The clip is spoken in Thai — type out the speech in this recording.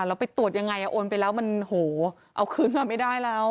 แล้วไปตรวจยังไงโอนไปแล้วมันโหเอาคืนมาไม่ได้แล้ว